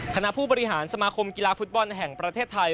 คณะผู้บริหารสมาคมกีฬาฟุตบอลแห่งประเทศไทย